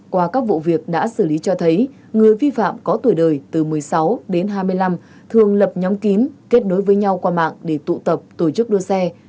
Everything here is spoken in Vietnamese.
qua các vụ việc đã xử lý cho thấy người vi phạm có tuổi đời từ một mươi sáu đến hai mươi năm thường lập nhóm kín kết nối với nhau qua mạng để tụ tập tổ chức đua xe